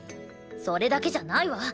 それだけじゃないわ。